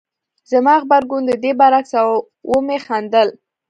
زما غبرګون د دې برعکس و او ومې خندل